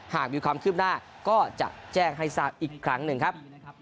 หากมีความคืบหน้าก็จะแจ้งให้ทราบอีกครั้งหนึ่งครับ